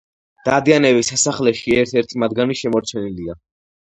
დადიანების სასახლეში ერთ-ერთი მათგანი შემორჩენილია.